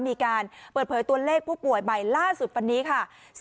มีการเปิดเผยตัวเลขผู้ป่วยใหม่ล่าสุดวันนี้ค่ะ